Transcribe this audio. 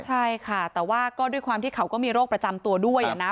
ใช่ค่ะแต่ว่าก็ด้วยความที่เขาก็มีโรคประจำตัวด้วยนะ